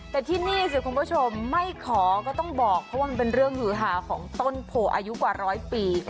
แต่ที่นี่สิคุณผู้ชมไม่ขอก็ต้องบอกเพราะว่ามันเป็นเรื่องหือหาของต้นโพอายุกว่าร้อยปี